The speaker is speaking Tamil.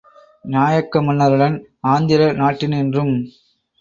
நாயக்க மன்னருடன் ஆந்திர நாட்டினின்றும்